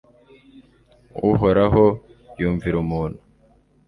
uhoraho yumvira umuntu